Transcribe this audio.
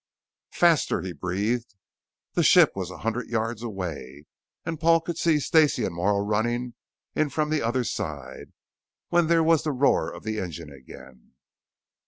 "Faster!" he breathed. The ship was a hundred yards away and Paul could see Stacey and Morrow running in from the other side when there was the roar of the engine again.